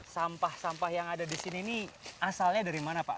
sampah sampah yang ada di sini ini asalnya dari mana pak